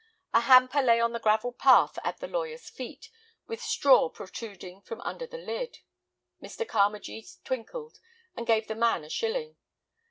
A hamper lay on the gravel path at the lawyer's feet, with straw protruding from under the lid. Mr. Carmagee twinkled, and gave the man a shilling.